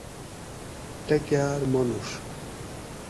ٹکاۤر مانُوڛ